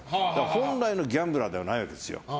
本来のギャンブラーじゃないですよ。